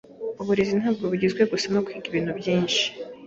Uburezi ntabwo bugizwe gusa no kwiga ibintu byinshi.